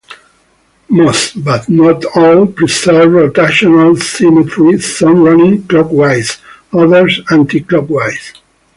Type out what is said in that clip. Most, but not all, preserve rotational symmetry, some running clockwise, others anti-clockwise.